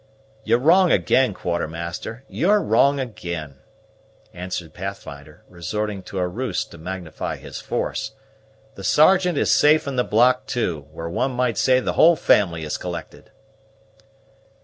"You're wrong ag'in, Quartermaster, you're wrong ag'in," answered Pathfinder, resorting to a ruse to magnify his force. "The Sergeant is safe in the block too, where one might say the whole family is collected."